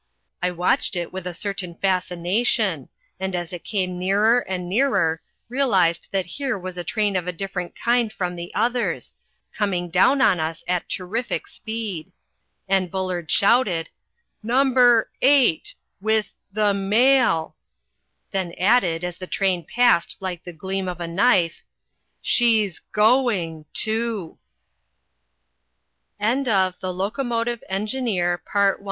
I watched it with a certain fascination, and as it came nearer and nearer, realized that here was a train of different kind from the others, coming down on us at terrific speed. And Bullard shouted: "Number 8 with the mail." Then added, as the train passed like the gleam of a knife: "She's going too." II WE PICK UP SOME ENGINE LORE AND HEAR ABOUT THE DE